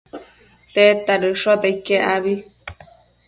tedta dëshote iquec abi?